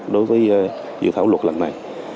đối với dự thảo luật lần này